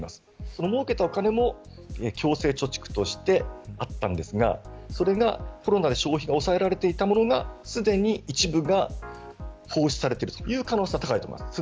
その儲けたお金も強制貯蓄としてあったんですがそれが、コロナで消費が抑えられていたものがすでに一部が奉仕されている可能性が高いと思います。